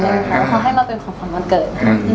แล้วเขาให้มาเป็นของขวัญวันเกิด